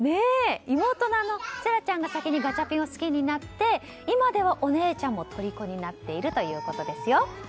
妹の千桜ちゃんが先にガチャピンを好きになって今ではお姉ちゃんもとりこになっているということですよ。